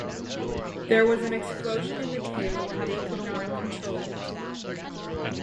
There was an explosion in the tail and they could not control it.